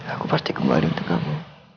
aku pasti kembali untuk kamu